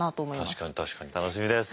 確かに確かに楽しみです。